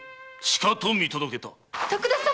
徳田様！